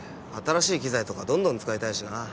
新しい機材とかどんどん使いたいしな。